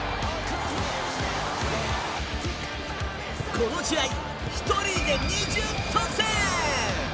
この試合、１人で２０得点。